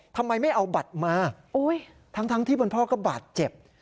ทำไมไม่เอาบัตรมาทั้งที่เป็นพ่อก็บาดเจ็บ